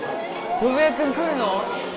祖父江君来るの？